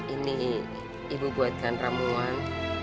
ini ibu buatkan ramuan